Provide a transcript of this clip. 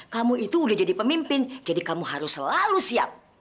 kamu itu udah jadi pemimpin jadi kamu harus selalu siap